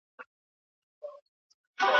هغه پوهه چي انسان ته ويښتيا ورکوي سياسي پوهه ده.